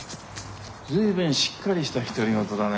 随分しっかりした独り言だね。